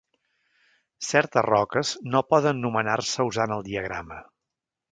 Certes roques no poden nomenar-se usant el diagrama.